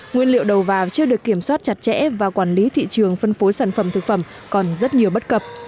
nguyên liệu đầu vào chưa được kiểm soát chặt chẽ và quản lý thị trường phân phối sản phẩm thực phẩm còn rất nhiều bất cập